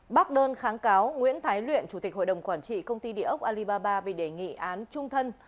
bác đơn kháng cáo nguyễn thái luyện chủ tịch hội đồng quản trị công ty địa ốc alibaba bị đề nghị án trung thân